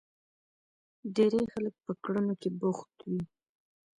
ډېری خلک په کړنو کې بوخت وي.